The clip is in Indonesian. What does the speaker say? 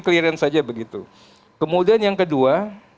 clearance saja begitu kemudian yang kedua